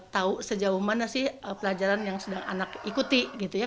tahu sejauh mana sih pelajaran yang sedang anak ikuti gitu ya